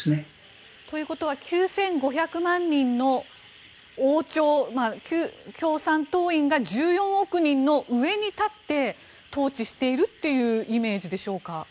ということは９５００万人の王朝共産党員が１４億人の上に立って統治しているというイメージでしょうか？